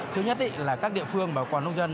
thứ nhất là các địa phương và quả nông dân